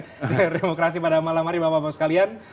layar demokrasi pada malam hari bapak bapak sekalian